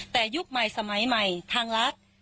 แต่ยุคใหม่สมัยใหม่ทางรัฐ